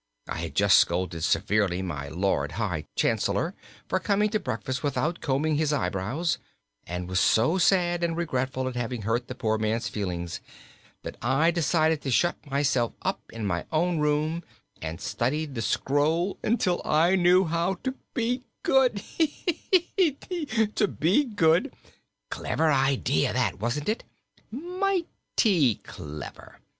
I had just scolded severely my Lord High Chancellor for coming to breakfast without combing his eyebrows, and was so sad and regretful at having hurt the poor man's feelings that I decided to shut myself up in my own room and study the scroll until I knew how to be good hee, heek, keek, eek, eek! to be good! Clever idea, that, wasn't it? Mighty clever!